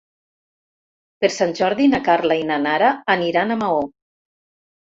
Per Sant Jordi na Carla i na Nara aniran a Maó.